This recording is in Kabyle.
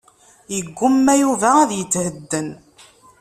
Yegguma Yuba ad yethedden.